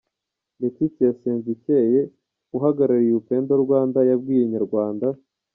Laetitia Sezicyeye uhagarariye Upendo Rwanda, yabwiye Inyarwanda.